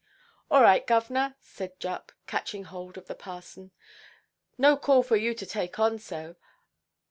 "All right, govʼnor!" said Jupp, catching hold of the parson; "no call for you to take on so.